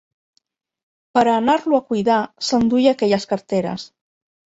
Pera anar-lo a cuidar s'enduia aquelles carteres